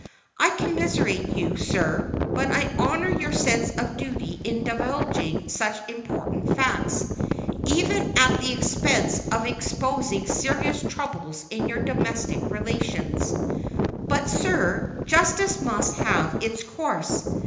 I commiserate you, sir, but I honor your sense of duty in divulging such important facts, even at the expense of exposing serious troubles in your domestic relations. But, sir, justice must have its course.